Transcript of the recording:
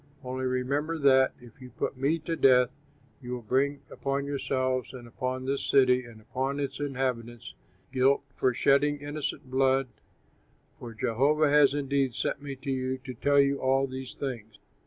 Only remember that, if you put me to death, you will bring upon yourselves and upon this city and upon its inhabitants guilt for shedding innocent blood, for Jehovah has indeed sent me to you to tell you all these things."